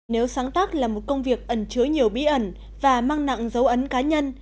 nếu sáng tác là một công việc ẩn chứa nhiều bí ẩn và mang nặng dấu ấn cá nhân